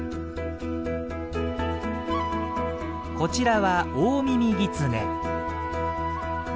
こちらはオオミミギツネ。